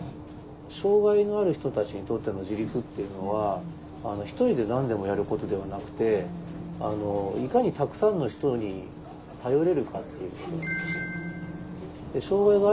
障害のある人たちにとっての自立っていうのはひとりで何でもやることではなくていかにたくさんの人に頼れるかっていうことなんですよ。